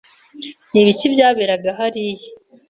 Ni ibiki byaberaga hariya?